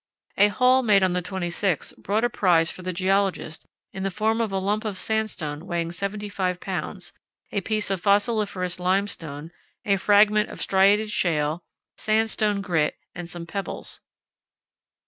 A haul made on the 26th brought a prize for the geologist in the form of a lump of sandstone weighing 75 lbs., a piece of fossiliferous limestone, a fragment of striated shale, sandstone grit, and some pebbles.